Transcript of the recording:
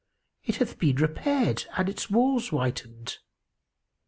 It hath been repaired and its walls whitened."